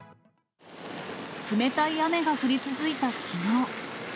冷たい雨が降り続いたきのう。